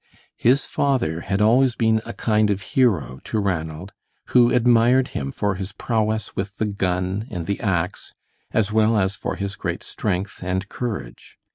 His father had always been a kind of hero to Ranald, who admired him for his prowess with the gun and the ax, as well as for his great strength and courage.